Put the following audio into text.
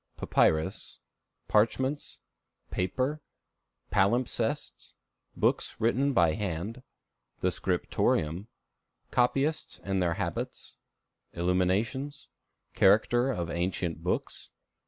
Papyrus. Parchments. Paper. Palimpsests. Books written by Hand. The Scriptorium. Copyists and their Habits. Illuminations. Character of Ancient Books.